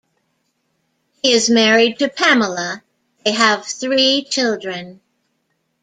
He is married to Pamela; they have three children.